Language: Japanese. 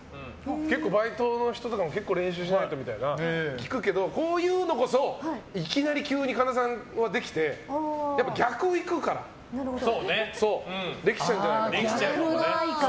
結構バイトの人とかも練習しないとみたいなのを聞くけど、こういうのこそいきなり急に神田さんはできてやっぱ逆をいくからできちゃうんじゃないかと。